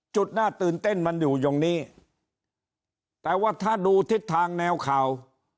จุดน่าตื่นเต้นมันอยู่ตรงนี้แต่ว่าถ้าดูทิศทางแนวข่าว